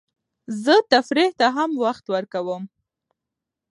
زه تفریح ته هم وخت ورکوم.